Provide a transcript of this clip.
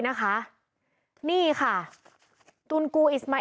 นี่ค่ะ